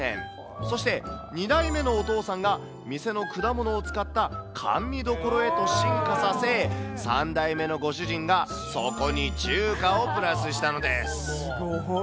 そして、２代目のお父さんが店の果物を使った甘味どころへと進化させ、３代目のご主人が、そこに中華をプラスしたのです。